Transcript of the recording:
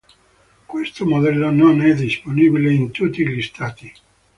Questo modello non è disponibile in tutti gli Stati.